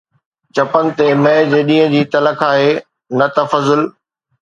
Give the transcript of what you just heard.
چپن تي مئي جي ڏينهن جي تلخ آهي، نه ته فضل